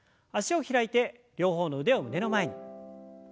脚を開いて両方の腕を胸の前に。